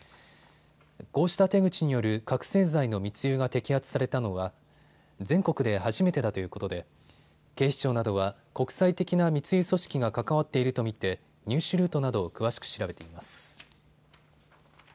こうした手口による覚醒剤の密輸が摘発されたのは全国で初めてだということで警視庁などは国際的な密輸組織が関わっていると見て入手ルートなどを詳しく調べています。